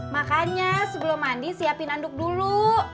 makanya sebelum mandi siapin aduk dulu